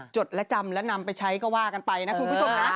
จดและจำและนำไปใช้ก็ว่ากันไปนะคุณผู้ชมนะ